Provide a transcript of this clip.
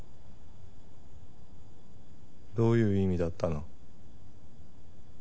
どういう意味だったの？